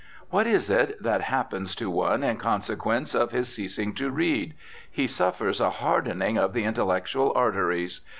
What is it that happens to one in consequence of his ceasing to read? He suffers a hardening of the intellectual arteries.